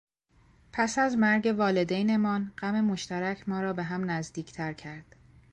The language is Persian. پس از مرگ والدینمان، غم مشترک ما را به هم نزدیکتر کرد.